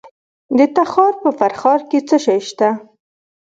د تخار په فرخار کې څه شی شته؟